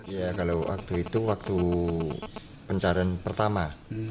ya kalau waktu itu waktu pencarian pertama